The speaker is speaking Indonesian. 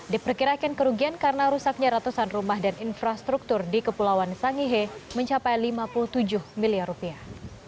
diperkirakan kerugian karena rusaknya ratusan rumah dan infrastruktur di kepulauan sangihe mencapai lima puluh tujuh miliar rupiah